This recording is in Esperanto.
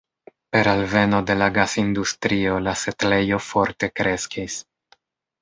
Per alveno de la gas-industrio, la setlejo forte kreskis.